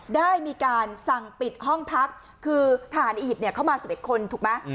ได้มีการสั่งปิดห้องพักคือทหารอียิปต์เข้ามา๑๑คนถูกไหม